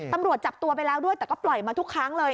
ตำรวจจับตัวไปแล้วด้วยแต่ก็ปล่อยมาทุกครั้งเลย